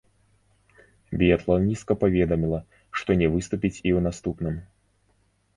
Біятланістка паведаміла, што не выступіць і ў наступным.